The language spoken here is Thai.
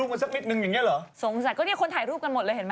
มันเป็นที่จอดรถ